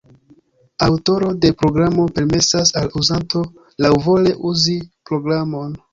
Aŭtoro de programo permesas al uzanto laŭvole uzi programon.